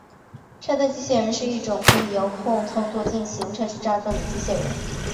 拆弹机械人是一种可以遥控操作进行拆除炸弹的机械人。